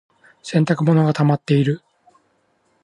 洗濯物がたまっている。